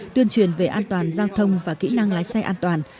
tuyên truyền về an toàn giao thông và kỹ năng lái xe an toàn